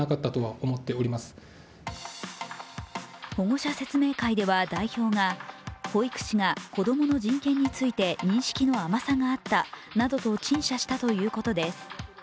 保護者説明会では代表が、保育士が子供の人権について認識の甘さがあったなどと陳謝したということです。